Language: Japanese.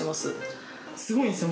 すごいんすよ